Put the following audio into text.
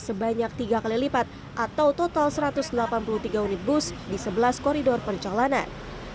sebanyak tiga kali lipat atau total satu ratus delapan puluh tiga unit bus di sebelas koridor perjalanan